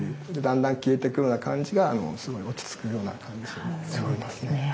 それでだんだん消えてくような感じがすごい落ち着くような感じがしますね。